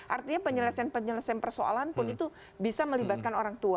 artinya penyelesaian penyelesaian persoalan pun itu bisa melibatkan orang tua